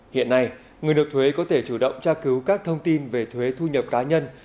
hiện nay người nộp thuế có thể chủ động tra cứu các thông tin về thuế thu nhập cá nhân